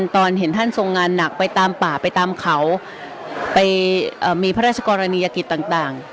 ตอนเห็นท่านทรงงานหนักไปตามป่าไปตามเขาไปมีพระราชกรณียกิจต่าง